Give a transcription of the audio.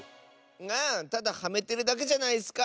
あただはめてるだけじゃないッスか！